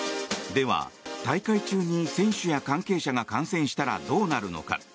では、大会中に選手や関係者が感染したらどうなるのか。